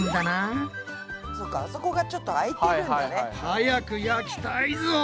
早く焼きたいぞ！